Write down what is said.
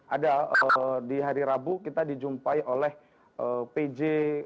ada di hari rabu kita dijumpai oleh pj